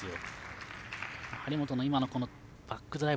張本の今のバックドライブ